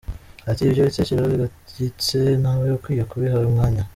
Ati “Ibyo bitekereo bigayiktse ntawe ukwiye kubiha umwanya.